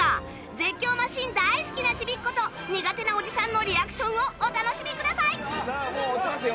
絶叫マシン大好きなちびっ子と苦手なおじさんのリアクションをお楽しみくださいさあもう落ちますよ